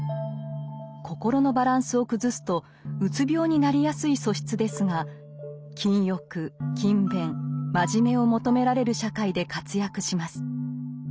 心のバランスを崩すとうつ病になりやすい素質ですが禁欲勤勉真面目を求められる社会で活躍します。